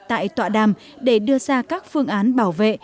tại tọa đàm để đưa ra các phương án bảo vệ